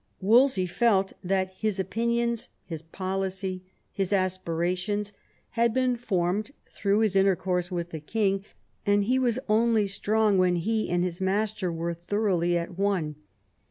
Wolsey felt that his opinions, his policy, his aspirations had been formed through his intercourse with the king; and he was only strong when he and his master were thoroughly at one.